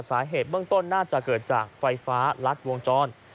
สาเหตุเบื้องต้นน่าจะเกิดจากไฟฟ้ารัดวงจร